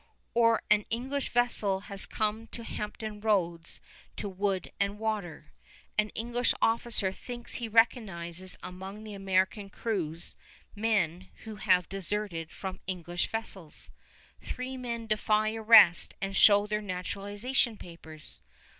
Or an English vessel has come to Hampton Roads to wood and water. An English officer thinks he recognizes among the American crews men who have deserted from English vessels. Three men defy arrest and show their naturalization papers.